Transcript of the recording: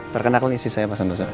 terkena kondisi saya mba santoso